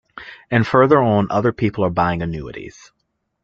And further on other people are buying annuities.